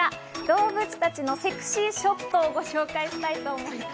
動物たちのセクシーショットをご紹介したいと思います。